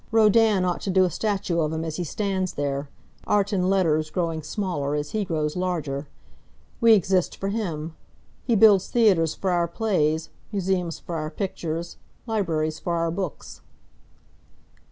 Rodin ought to do a statue of him as he stands there art and letters growing smaller as he grows larger. We exist for him. He builds theatres for our plays, museums for our pictures, libraries for our books."